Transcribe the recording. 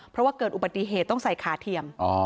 เพราะว่าเกิดอุบัติเหตุต้องใส่ขาเทียม